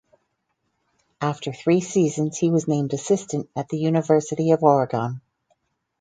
After three seasons he was named assistant at the University of Oregon.